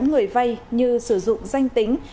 người vai như sử dụng danh tính